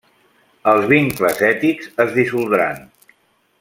Els vincles ètics es dissoldran.